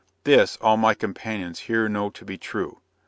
This, all my companions here know to be true.